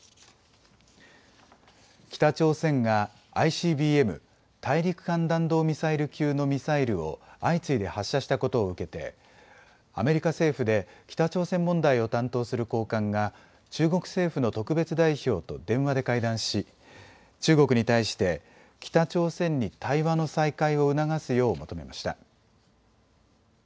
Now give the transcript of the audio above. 北朝鮮がＩＣＢＭ・大陸間弾道ミサイル級のミサイルを相次いで発射したことを受けてアメリカ政府で北朝鮮問題を担当する高官が中国政府の特別代表と電話で会談し、中国に対して北朝鮮に対話の再開を促すよう求めました。